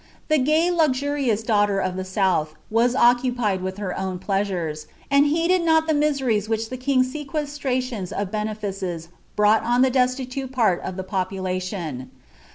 The gay, luxurious daughter of the South was occupied wiili her own plfa«ui«, and heeded not the miseries which the king's aequeslniions of limericM brought on the destitute part of the population.